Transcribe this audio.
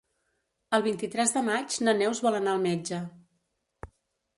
El vint-i-tres de maig na Neus vol anar al metge.